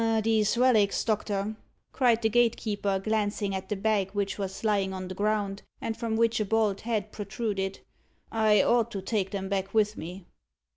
"These relics, doctor," cried the gatekeeper, glancing at the bag, which was lying on the ground, and from which a bald head protruded "I ought to take them back with me."